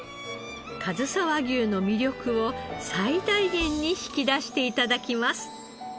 かずさ和牛の魅力を最大限に引き出して頂きます。